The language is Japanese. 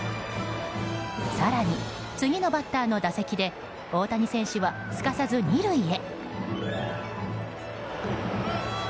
更に、次のバッターの打席で大谷選手はすかさず２塁へ。